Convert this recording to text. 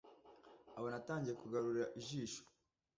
abona atangiye kugarura ijisho